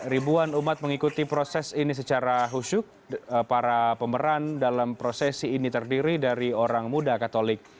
ribuan umat mengikuti proses ini secara husyuk para pemeran dalam prosesi ini terdiri dari orang muda katolik